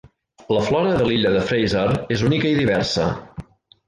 La flora de l’illa de Fraser és única i diversa.